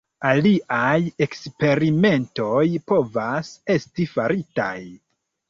Aliaj eksperimentoj povas esti faritaj.